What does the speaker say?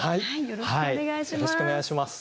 よろしくお願いします。